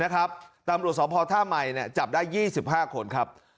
ตามหลวงสมพท่าใหม่จับได้๒๕คนครับ